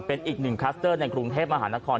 เป็นอีกหนึ่งคลัสเตอร์ในกรุงเทพมหานคร